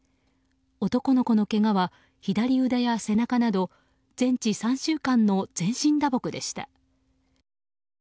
男の子のけがは左腕や背中など全治３週間の全身打撲でした。